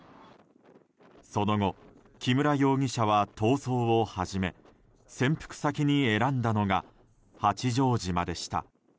その後、木村容疑者は逃走を始め潜伏先に選んだのが八丈島でした。